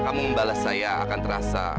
kamu membalas saya akan terasa